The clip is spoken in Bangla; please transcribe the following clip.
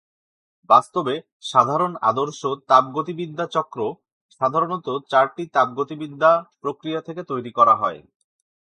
বাস্তবে, সাধারণ আদর্শ তাপগতিবিদ্যা চক্র সাধারণত চারটি তাপগতিবিদ্যা প্রক্রিয়া থেকে তৈরি করা হয়।